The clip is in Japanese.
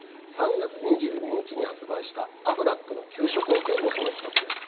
３月２２日に発売した「アフラックの休職保険」もその一つです。